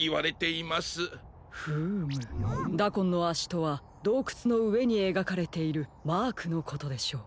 フームダコンのあしとはどうくつのうえにえがかれているマークのことでしょう。